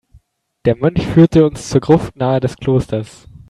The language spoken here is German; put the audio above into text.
Der Mönch führte uns zur Gruft nahe des Klosters.